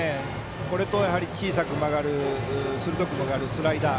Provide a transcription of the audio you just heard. これと小さく曲がる鋭く曲がるスライダー。